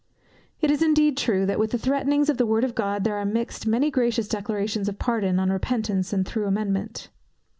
It is indeed true, that with the threatenings of the word of God, there are mixed many gracious declarations of pardon, on repentance, and thorough amendment.